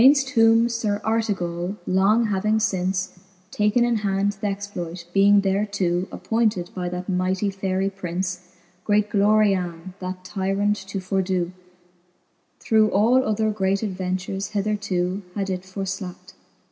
Gainft whom Sir Artegally long having fince Taken in hand th'exploit, being theretoo Appointed by that mightie Faerie Prince, Great Gloriane, that tyrant to fordoo, Through other great adventures hethertoo Had it forflackt.